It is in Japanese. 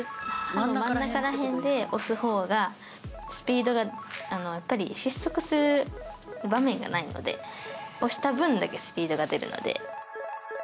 真ん中らへんで押すほうがスピードが失速する場面がないので押した分だけスピードが出るので。